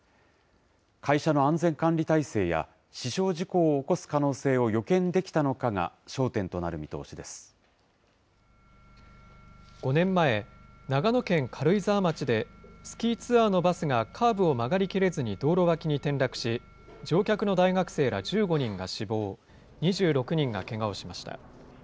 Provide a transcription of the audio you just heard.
会社の安全管理体制や死傷事故を起こす可能性を予見できたのかが５年前、長野県軽井沢町でスキーツアーのバスがカーブを曲がり切れずに道路脇に転落し、乗客の大学生ら１５人が死亡、２６人がけがをしました。